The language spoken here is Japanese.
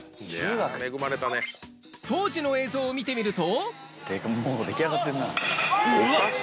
当時の映像を見てみると。